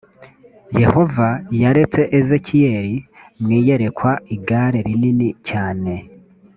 yehova yeretse ezekiyeli mu iyerekwa igare rinini cyane